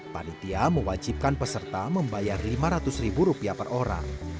panitia mewajibkan peserta membayar lima ratus ribu rupiah per orang